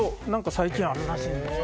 最近あるらしいんですよ。